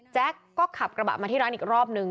ก็ขับกระบะมาที่ร้านอีกรอบนึง